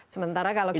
sementara kalau kita